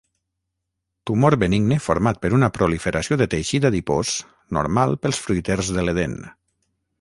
Tumor benigne format per una proliferació de teixit adipós normal pels fruiters de l'Edèn.